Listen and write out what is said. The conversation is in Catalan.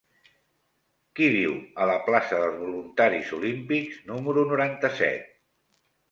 Qui viu a la plaça dels Voluntaris Olímpics número noranta-set?